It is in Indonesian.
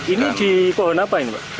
ini di pohon apa ini pak